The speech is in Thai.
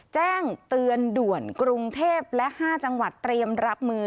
แจ้งเตือนด่วนกรุงเทพและ๕จังหวัดเตรียมรับมือ